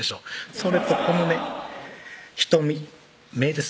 それとこのね瞳目です